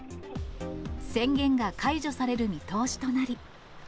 宣言が解除される見通しとなり。